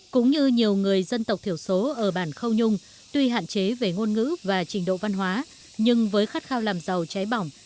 cũng như nhiều người dân tộc thiểu số ở bản khâu nhung tuy hạn chế về ngôn ngữ và trình độ văn hóa nhưng với khát khao làm giàu cháy bỏng